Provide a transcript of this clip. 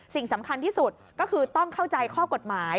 สิ่งสำคัญที่สุดก็คือต้องเข้าใจข้อกฎหมาย